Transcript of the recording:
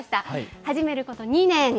始めること２年。